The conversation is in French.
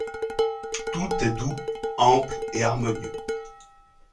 Tout est doux, ample et harmonieux.